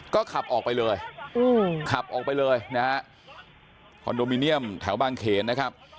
ก็ขับออกไปเลยขับออกไปเลยนะฮะคอนโดมิเนียมแถวบางเขนนะครับ